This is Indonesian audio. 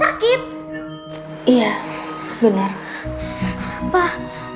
pak papa temenin aku ya aku mau jemput tasya